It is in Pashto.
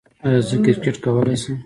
ایا زه کرکټ کولی شم؟